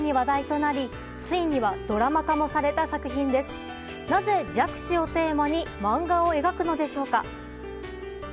なぜ、弱視をテーマに漫画を描くのでしょうか。